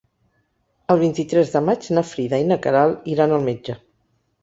El vint-i-tres de maig na Frida i na Queralt iran al metge.